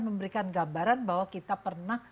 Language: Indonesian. memberikan gambaran bahwa kita pernah